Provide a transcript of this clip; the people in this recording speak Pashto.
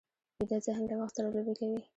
ویده ذهن له وخت سره لوبې کوي